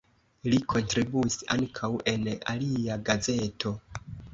Li kontribuis ankaŭ en alia gazeto.